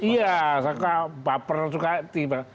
iya suka baper suka tiba